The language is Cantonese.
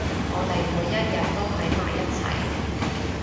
我哋每一日都喺埋一齊